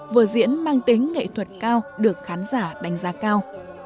vở diễn mang tính nghệ thuật cao được khán giả đánh giá cao